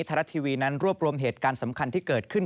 รัฐทีวีนั้นรวบรวมเหตุการณ์สำคัญที่เกิดขึ้น